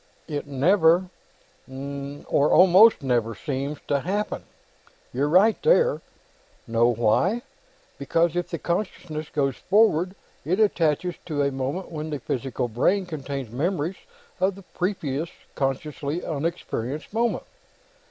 "It never ... or almost never ... seems to happen; you're right there. Know why? Because if the consciousness goes forward, it attaches at a moment when the physical brain contains memories of the previous, consciously unexperienced, moment.